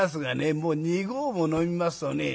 もう２合も飲みますとね